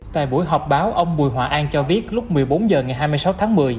tại buổi họp báo ông bùi hòa an cho biết lúc một mươi bốn h ngày hai mươi sáu tháng một mươi